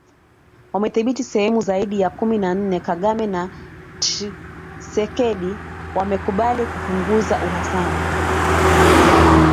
wamedhibithi sehemu zaidi ya kumi na nne Kagame na Tshisekedi wamekubali kupunguza uhasama